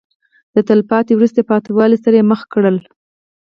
د تلپاتې وروسته پاتې والي سره یې مخ کړل.